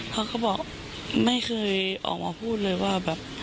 เขาก็บอกไม่เคยออกมาพูดเลยว่าแบบ